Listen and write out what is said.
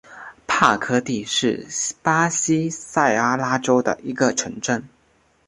帕科蒂是巴西塞阿拉州的一个市镇。